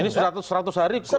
ini seratus hari